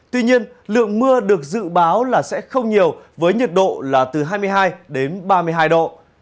tuy nhiên lượng mưa được dự báo là sẽ không nhiều với nhiệt độ là từ hai mươi hai đến ba mươi hai độ